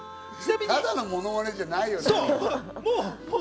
ただのものまねじゃないよね？